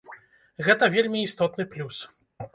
Гэта вельмі істотны плюс.